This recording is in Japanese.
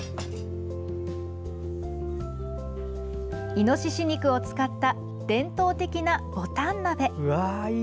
イノシシ肉を使った伝統的なぼたん鍋。